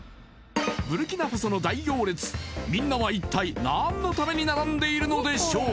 ブルキナファソの大行列みんなは一体何のために並んでいるのでしょう？